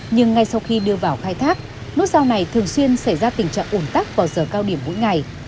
nhưng ngay sau khi đưa vào khai thác nút giao này thường xuyên xảy ra tình trạng ủn tắc vào giờ cao điểm mỗi ngày